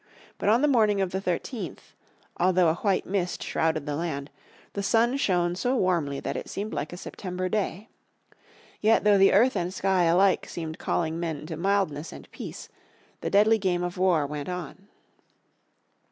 But on the morning of the 13th, although a white mist shrouded the land, the sun shone so warmly that it seemed like a September day. Yet though the earth and sky alike seemed calling men to mildness and peace the deadly game of war went on.